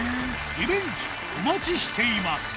リベンジお待ちしています